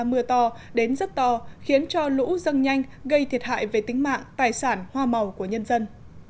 mưa to đến rất to khiến cho lũ dâng nhanh gây thiệt hại về tính mạng tài sản hoa màu của nhân dân